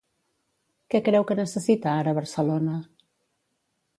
Què creu que necessita ara Barcelona?